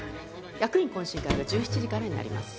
役員懇親会が１７時からになります。